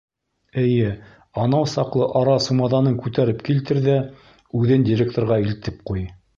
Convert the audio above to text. Эйе... анау саҡлы ара сумаҙанын күтәреп килтер ҙә үҙен директорға илтеп ҡуй...